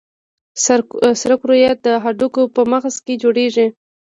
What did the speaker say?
سره کرویات د هډوکو په مغز کې جوړېږي.